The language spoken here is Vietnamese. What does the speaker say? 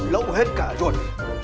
lâu hết cả rồi